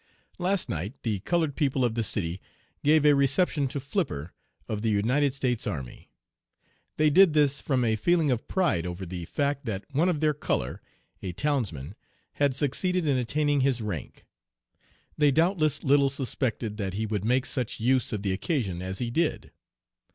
"Last night the colored people of the city gave a 'reception' to Flipper, of the United States Army. They did this from a feeling of pride over the fact that one of their color, a townsman, had succeeded in attaining his rank. They doubtless, little suspected that he would make such use of the occasion as he did.